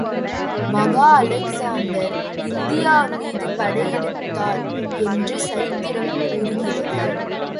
மகா Alexander India மீது படையெடுத்தார் என்று சரித்திரம் கூறுகிறது.